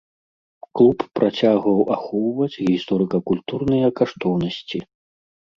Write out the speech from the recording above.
Клуб працягваў ахоўваць гісторыка-культурныя каштоўнасці.